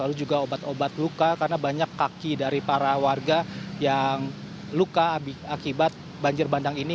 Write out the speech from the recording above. lalu juga obat obat luka karena banyak kaki dari para warga yang luka akibat banjir bandang ini